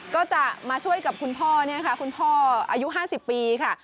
ก็จะมาช่วยกับคุณพ่อเนี่ยค่ะคุณพ่ออายุ๕๐ปีค่ะ